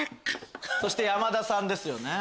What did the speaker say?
そして山田さんですよね。